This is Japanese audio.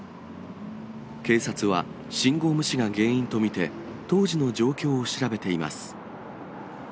警察は、信号無視が原因と見て、当時の状況を調べています。